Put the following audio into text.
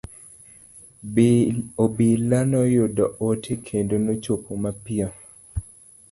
Obila noyudo ote kendo nochopo mapiyo.